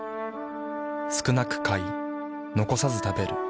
少なく買い残さず食べる。